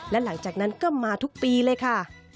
และหลังจากนั้นก็มาทุกปีเลยค่ะ